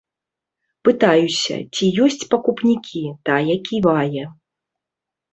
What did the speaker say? Пытаюся, ці ёсць пакупнікі, тая ківае.